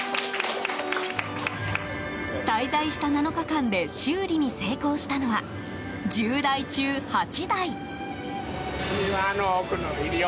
滞在した７日間で修理に成功したのは１０台中８台。